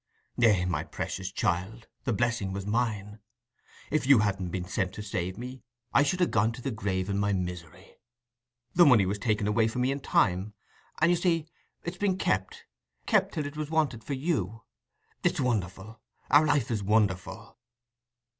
"Eh, my precious child, the blessing was mine. If you hadn't been sent to save me, I should ha' gone to the grave in my misery. The money was taken away from me in time; and you see it's been kept—kept till it was wanted for you. It's wonderful—our life is wonderful."